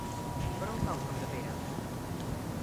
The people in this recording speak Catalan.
Per on cau Capdepera?